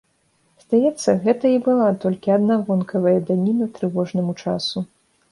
Здаецца, гэта і была толькі адна вонкавая даніна трывожнаму часу.